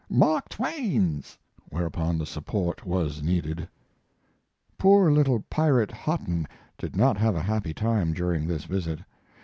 "Mark Twain's." Whereupon the support was needed. Poor little pirate Hotten did not have a happy time during this visit.